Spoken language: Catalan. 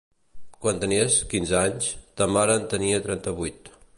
Quan tenies quinze anys, ta mare en tenia trenta-vuit.